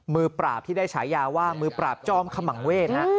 มือปราบที่ได้ฉายาว่ามือปราบจอมขมังเวศ